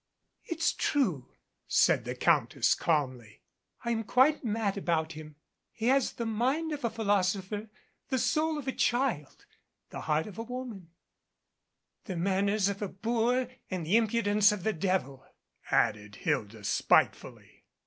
"It's true," said the Countess calmly. "I am quite mad about him. He has the mind of a philosopher, the soul of a child, the heart of a woman "" the manners of a boor and the impudence of the devil," added Hilda spitefully.